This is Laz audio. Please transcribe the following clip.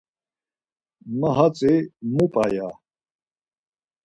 ma hatzi mupa ya.